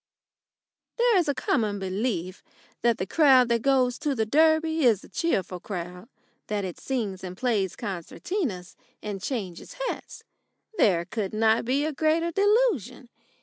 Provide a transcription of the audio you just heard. There is a common belief that the crowd that goes to the Derby is a cheerful crowd that it sings and plays concertinas and changes hats. There could not be a greater delusion.